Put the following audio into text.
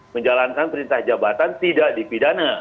menjalankan perintah jabatan tidak dipidana